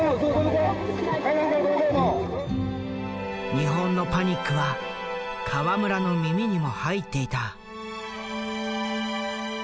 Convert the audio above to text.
日本のパニックは河村の耳にも入っていた。